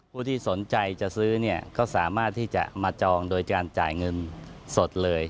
ผู้ที่สนใจจะซื้อเนี่ยก็สามารถที่จะมาจองโดยการจ่ายเงินสดเลย